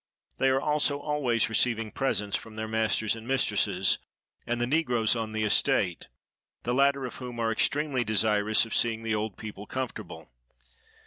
They are also always receiving presents from their masters and mistresses, and the negroes on the estate, the latter of whom are extremely desirous of seeing the old people comfortable.